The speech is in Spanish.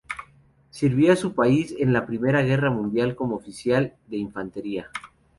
Sirvió a su país en la Primera Guerra Mundial como oficial de infantería.